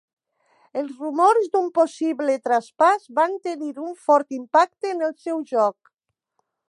Els rumors d'un possible traspàs van tenir un fort impacte en el seu joc.